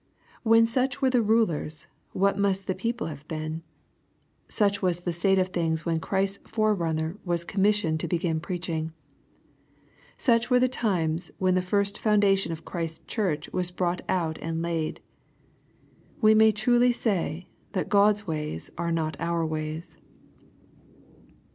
When such were the rulers, what must the people have been.? — Such was the state of things when Christ's forerunner was commissioned to begin preaching. Such were the times when the first foundation of Christ's church was brought out and laid. We may truly say, that God's ways are not our ways.